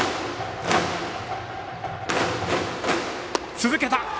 続けた。